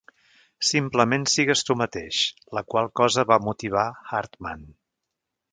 Simplement sigues tu mateix, la qual cosa va motivar Hartman.